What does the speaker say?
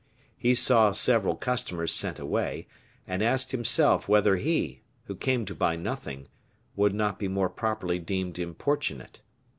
He saw several customers sent away, and asked himself whether he, who came to buy nothing, would not be more properly deemed importunate.